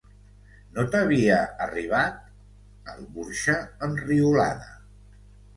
No t'havia arribat? —el burxa enriolada—.